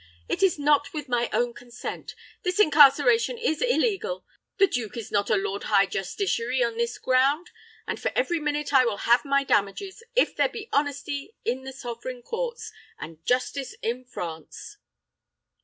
it is not with my own consent. This incarceration is illegal. The duke is not a lord high justiciary on this ground; and for every minute I will have my damages, if there be honesty in the sovereign courts, and justice in France."